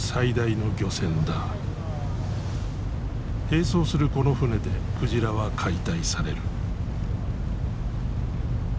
併走するこの船で鯨は解体される。